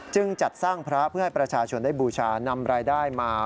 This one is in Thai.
จัดสร้างพระเพื่อให้ประชาชนได้บูชานำรายได้มา